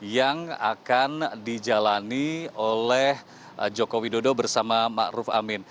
yang akan dijalani oleh jokowi dodo bersama ma'ruf amin